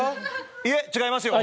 「いえ違いますよー」。